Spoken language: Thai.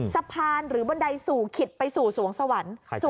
สะพานหรือบันไดสู่ขิดไปสู่สวงสวรรค์